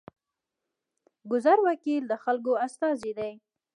ګذر وکیل د خلکو استازی دی